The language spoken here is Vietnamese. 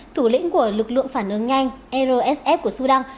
thủ lĩnh của lực lượng phản ứng nhanh rsf của sudan